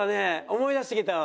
思い出してきたわ。